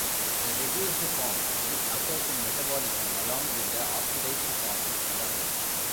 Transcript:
The reduced form, which occurs in metabolism along with the oxidized form, is colorless.